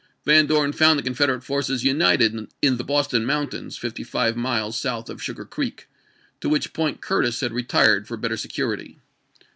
Van p! 755. ' Dorn found the Confederate forces united in the Boston Mountains, fifty five miles south of Sugar Creek, to which point Curtis had retired for better security.